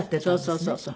そうそうそうそう。